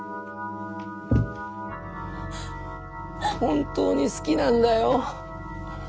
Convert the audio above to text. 本当に好きなんだよ。